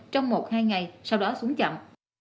trong một hai ngày sau đó xuống chậm